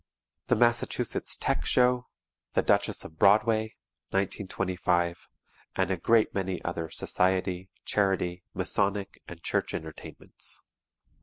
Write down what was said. The Massachusetts "Tech" Show, "The Duchess of Broadway" (1925), and a great many other society, charity, masonic and church entertainments.